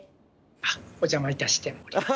あっお邪魔いたしております。